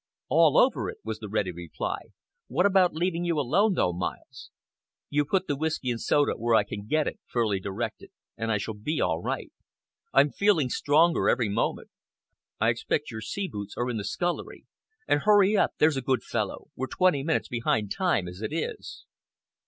"All over it," was the ready reply. "What about leaving you alone, though, Miles?" "You put the whisky and soda where I can get at it," Furley directed, "and I shall be all right. I'm feeling stronger every moment. I expect your sea boots are in the scullery. And hurry up, there's a good fellow. We're twenty minutes behind time, as it is."